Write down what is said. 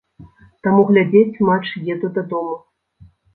Таму глядзець матч еду дадому.